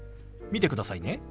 見てくださいね。